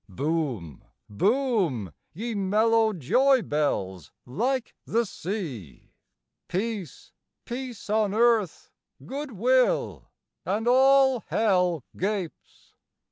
Boom, boom, ye mellow joy bells, like the sea! Peace, peace on earth, good will! (and all hell gapes!)